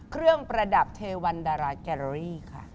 เครื่องประดับเทวันดาราท์แกลลอรี่ค่ะ